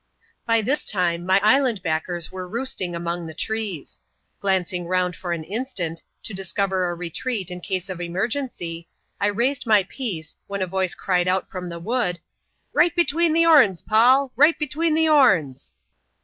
By this time> my island backers were roosting among the trees. Glancing round, for an instant, to discover a retreait in case of emergency, I raised my piece^ when a vmce cried out, from the wood, "Right between the 'oms, Paul! right between the'oms!"